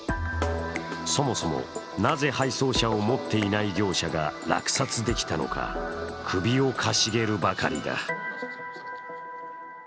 そもそも、なぜ配送車を持っていない業者が落札できたのか、首をかしげるばかりだ。